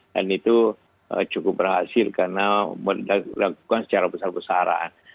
dan itu cukup berhasil karena melakukan secara besar besaran